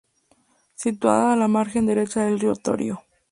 Situada a la margen derecha del río Torío.